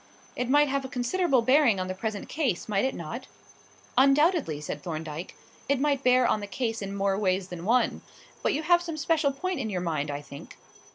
"It might have a considerable bearing on the present case, might it not?" "Undoubtedly," said Thorndyke. "It might bear on the case in more ways than one. But you have some special point in your mind, I think."